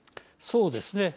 そうですね。